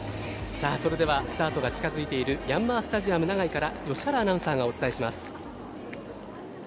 それではスタートが近づいているヤンマースタジアム長居から吉原アナウンサーがお伝えします。